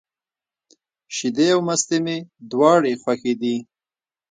شیدې او مستې مي دواړي خوښي دي.